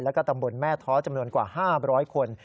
แล้วก็ตำบลแม่ท้อจำนวนกว่า๕๐๐คน